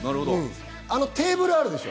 テーブルあるでしょ？